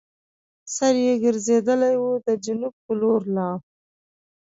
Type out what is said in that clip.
سر یې ګرځېدلی وو د جنوب پر لور لاړ.